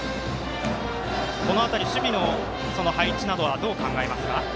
この辺り守備の配置などはどう考えますか。